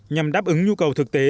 nhằm đáp ứng nhu cầu thực tế